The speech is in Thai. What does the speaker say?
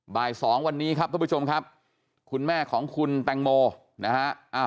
บ่าย๒วันนี้ครับทุกผู้ชมครับคุณแม่ของคุณแตงโมนะฮะ